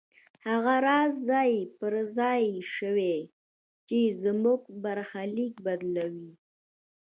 هغه راز ځای پر ځای شوی چې زموږ برخليک بدلوي.